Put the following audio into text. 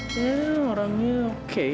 ya orangnya oke